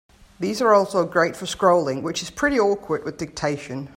These are also great for scrolling, which is pretty awkward with dictation.